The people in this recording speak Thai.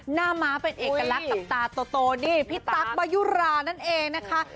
หน้าม้าเป็นเอกลักษณ์กับตาโตนี่พี่ตั๊กบายุรานั่นเองนะคะ